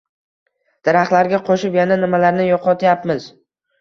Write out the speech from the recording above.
Daraxtlarga qo‘shib, yana nimalarni yo‘qotyapmiz?